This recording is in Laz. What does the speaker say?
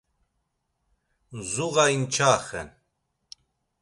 Zuğa inçaxen.